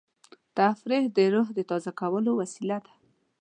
تفریح د روح د تازه کولو وسیله ده.